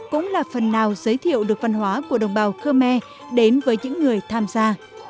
cũng là phần nào giới thiệu được văn hóa của đồng bào khmer đến với những người tham gia